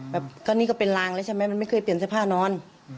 ก็นี่ก็เป็นลางแล้วใช่ไหมมันไม่เคยเปลี่ยนเสื้อผ้านอน